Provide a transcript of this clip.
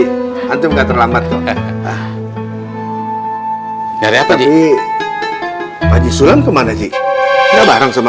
hai hantum gak terlambat kau kan ah nyari apa di pagi sulam kemana sih ya bareng sama